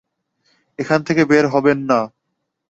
এখান থেকে বের হবেন না!